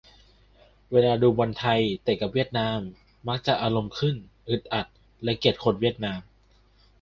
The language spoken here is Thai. เวลาดู บอลไทย เตะกับเวียดนาม มักจะอารมณ์ขึ้น อีดอัด และเกลียดคนเวียดนาม